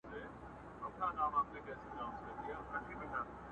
د هغه سیندګي پر غاړه بیا هغه سپوږمۍ خپره وای!